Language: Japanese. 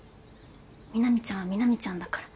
南ちゃんは南ちゃんだから。